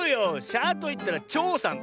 「しゃ」といったら「ちょうさん」。